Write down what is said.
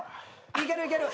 いけるいける。